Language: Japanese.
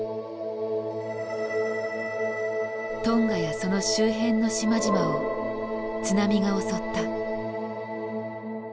トンガやその周辺の島々を津波が襲った。